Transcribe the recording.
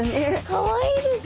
かわいいです。